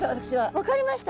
分かりました？